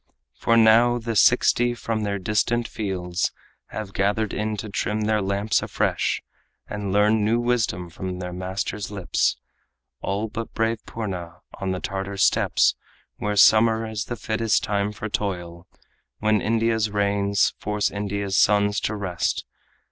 For now the sixty from their distant fields Have gathered in to trim their lamps afresh And learn new wisdom from the master's lips All but brave Purna on the Tartar steppes Where summer is the fittest time for toil, When India's rains force India's sons to rest.